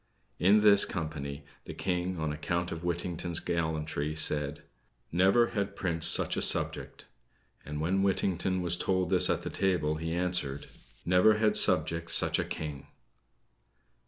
In this company, the King, on account of Whittington's gallantry, said: "Never had prince such a subject;" and when Whittington was told this at the table, he answered: "Never had subject such a king."